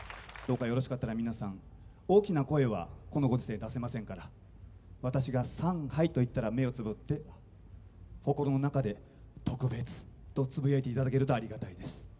どうかよろしかったら皆さん大きな声はこのご時世出せませんから私が「さんはい」と言ったら目をつぶって心の中で「特別」とつぶやいて頂けるとありがたいです。